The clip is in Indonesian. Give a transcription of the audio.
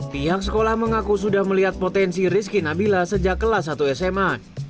pihak sekolah mengaku sudah melihat potensi rizky nabila sejak kelas satu sma